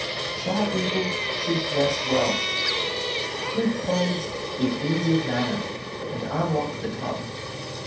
Shy people should dress well. Good clothes give ease of manner, and unlock the tongue.